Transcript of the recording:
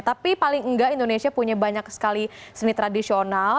tapi paling enggak indonesia punya banyak sekali seni tradisional